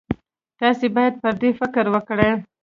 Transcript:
تاسې باید پر دې فکر وکړئ.